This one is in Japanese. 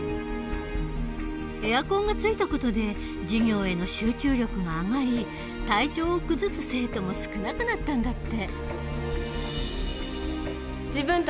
エアコンがついた事で授業への集中力が上がり体調を崩す生徒も少なくなったんだって。